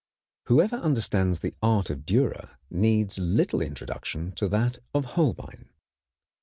] Whoever understands the art of Dürer needs little introduction to that of Holbein (hole´ bine).